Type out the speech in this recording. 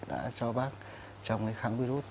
đã cho bác trong cái kháng virus